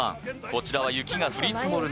こちらは雪が降り積もる